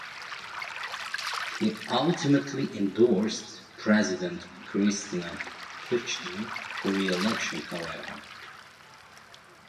He ultimately endorsed President Cristina Kirchner for re-election, however.